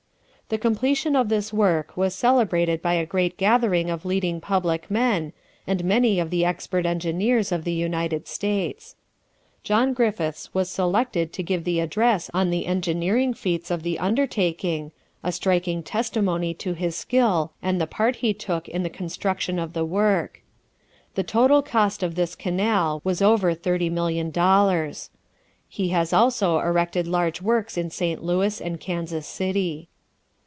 The completion of this work was celebrated by a great gathering of leading public men, and many of the expert engineers of the United States. John Griffiths was selected to give the address on the engineering feats of the undertaking, a striking testimony to his skill and the part he took in the construction of the work. The total cost of this canal was over $30,000,000. He has also erected large works in St. Louis and Kansas City.